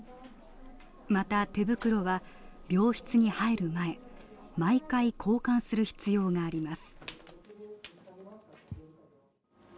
また手袋は病室に入る前、毎回交換する必要があります